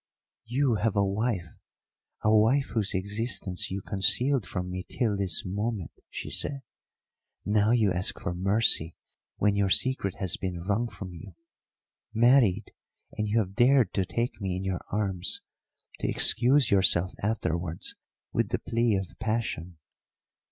"You have a wife a wife whose existence you concealed from me till this moment!" she said. "Now you ask for mercy when your secret has been wrung from you! Married, and you have dared to take me in your arms, to excuse yourself afterwards with the plea of passion!